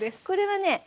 これはね